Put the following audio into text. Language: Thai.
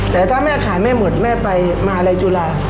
แต่ถ้าแม่ขายแม่หมดแม่ไปมาลัยจุฬา